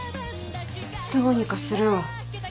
どうにかするわ。